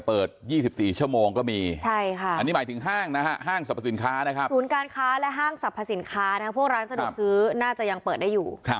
เพราะบ้างห้างเนี่ยเปิดยี่สิบสี่ชั่วโมงก็มี